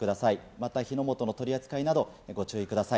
また火の元の取り扱いなどご注意ください。